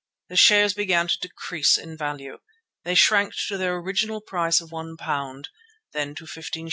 The shares began to decrease in value. They shrank to their original price of £1, then to 15s.